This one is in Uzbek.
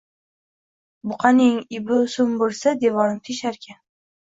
Buqaning ipi uzun bo‘lsa, devorni tesharkan.